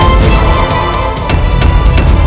yang selama ini muncul